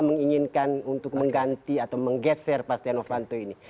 menginginkan untuk mengganti atau menggeser pas tia novanto ini